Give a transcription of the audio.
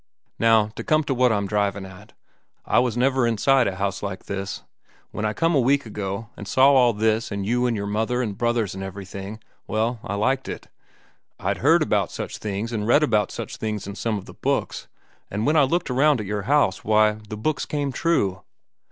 "Now, to come to what I'm drivin' at. I was never inside a house like this. When I come a week ago, an' saw all this, an' you, an' your mother, an' brothers, an' everything—well, I liked it. I'd heard about such things an' read about such things in some of the books, an' when I looked around at your house, why, the books come true.